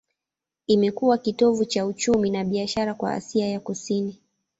Imekuwa kitovu cha uchumi na biashara kwa Asia ya Kusini.